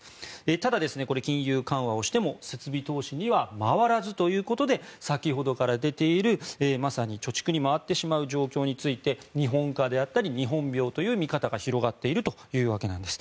ただ、金融緩和をしても設備投資には回らずということで先ほどから出ているまさに貯蓄に回ってしまう状況について日本化であったり日本病という見方が広まっているというわけです。